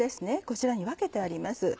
こちらに分けてあります。